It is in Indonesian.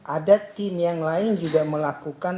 ada tim yang lain juga melakukan